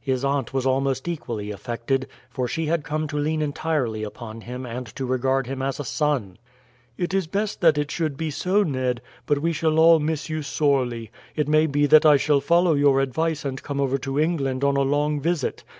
His aunt was almost equally affected, for she had come to lean entirely upon him and to regard him as a son. "It is best that it should be so, Ned; but we shall all miss you sorely. It may be that I shall follow your advice and come over to England on a long visit.